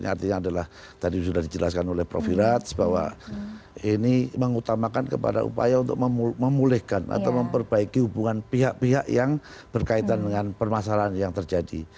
artinya adalah tadi sudah dijelaskan oleh prof hiraj bahwa ini mengutamakan kepada upaya untuk memulihkan atau memperbaiki hubungan pihak pihak yang berkaitan dengan permasalahan yang terjadi